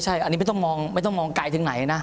ใช่อันนี้ไม่ต้องมองไกลถึงไหนนะ